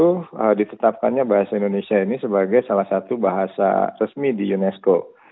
nah di tetapkannya bahasa indonesia sebagai bahasa resmi di unesco